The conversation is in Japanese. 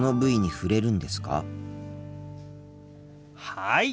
はい。